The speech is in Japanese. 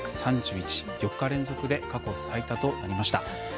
４日連続で過去最多となりました。